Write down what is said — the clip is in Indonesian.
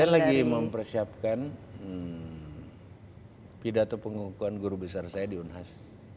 saya lagi mempersiapkan pidato pengukuhan guru besar saya di unhas